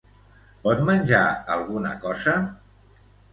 Pot menjar alguna cosa?